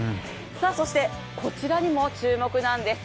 そして、こちらにも注目なんです。